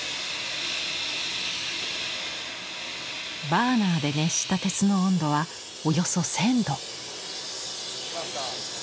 バーナーで熱した鉄の温度はおよそ１，０００度。